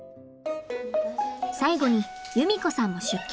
最後に優美子さんも出勤。